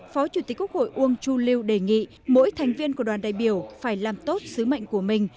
phó chủ tịch quốc hội uông chu lưu đề nghị mỗi thành viên của đoàn đại biểu phải làm tốt sứ mệnh của mình